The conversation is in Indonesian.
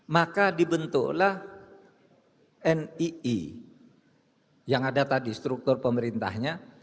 maka dibentuklah nii yang ada tadi struktur pemerintahnya